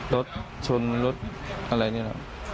รถชนรถอะไรเงี้ย